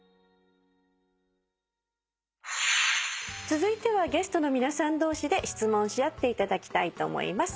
続いてはゲストの皆さん同士で質問し合っていただきたいと思います。